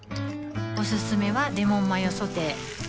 おすすめはレモンマヨソテー